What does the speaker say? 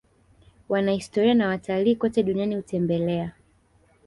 wanahistoria na watalii kote duniani hutembelea